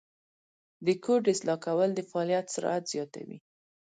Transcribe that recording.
د کوډ اصلاح کول د فعالیت سرعت زیاتوي.